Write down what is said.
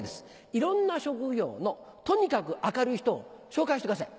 いろんな職業のとにかく明るい人を紹介してください。